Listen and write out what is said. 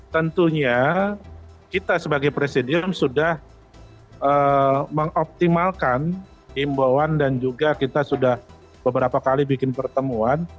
tentunya kita sebagai presidium sudah mengoptimalkan imbauan dan juga kita sudah beberapa kali bikin pertemuan